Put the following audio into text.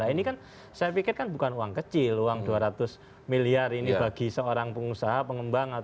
ini kan saya pikir kan bukan uang kecil uang dua ratus miliar ini bagi seorang pengusaha pengembang